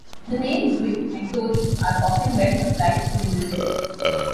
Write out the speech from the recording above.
The names whig and tory are often well applied to individuals.